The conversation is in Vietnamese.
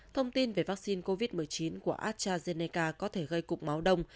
thông tin về vaccine covid một mươi chín của astrazeneca có thể gây cục máu đông